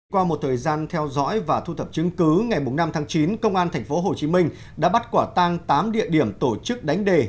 qua một thời gian theo dõi và thu thập chứng cứ ngày năm tháng chín công an tp hcm đã bắt quả tang tám địa điểm tổ chức đánh đề